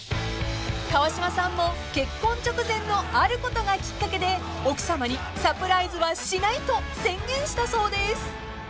［川島さんも結婚直前のあることがきっかけで奥さまにサプライズはしないと宣言したそうです］